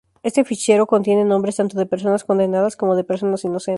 Este fichero contiene nombres tanto de personas condenadas como de personas inocentes.